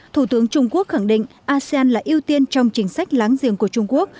thủ tướng trung quốc khẳng định asean là ưu tiên trong chính sách láng giềng của trung quốc